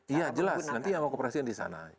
iya jelas nanti yang mau kooperasikan di sana